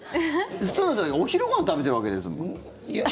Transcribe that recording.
お昼ご飯食べてるわけですもん。